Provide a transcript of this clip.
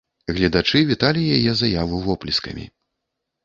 Гледачы віталі яе заяву воплескамі.